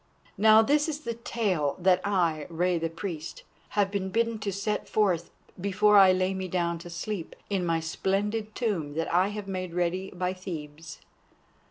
Now this is the tale that I, Rei the Priest, have been bidden to set forth before I lay me down to sleep in my splendid tomb that I have made ready by Thebes.